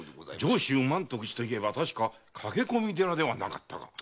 上州満徳寺といえばたしか駆け込み寺ではなかったか？